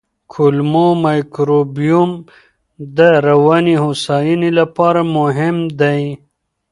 کولمو مایکروبیوم د رواني هوساینې لپاره مهم دی.